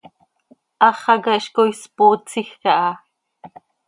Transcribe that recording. Háxaca hizcoi spootsij caha.